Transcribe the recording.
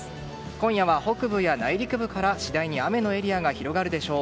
今夜は北部や内陸部から、次第に雨のエリアが広がるでしょう。